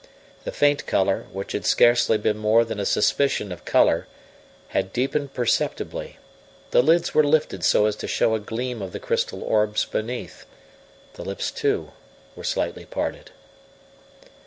The faint colour, which had scarcely been more than a suspicion of colour, had deepened perceptibly; the lids were lifted so as to show a gleam of the crystal orbs beneath; the lips, too, were slightly parted.